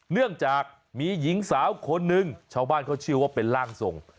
เนื่องจากมีหญิงสาวคนนึงชาวบ้านเขาเชื่อว่าเป็นร่างทรง